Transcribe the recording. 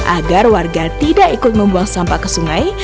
agar warga tidak ikut membuang sampah ke sungai